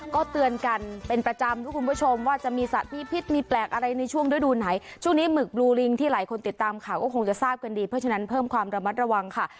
ก็เตือนกันเป็นประจำทุกคุณผู้ชมว่าจะมีสัตว์มีพิษมีแปลกอะไรในช่วงฤดูไหนช่วงนี้หมึกบลูลิงที่หลายคนติดตามข่าวก็คงจะทราบกันดีเพราะฉะนั้นเพิ่มความระมัดระวังค่ะ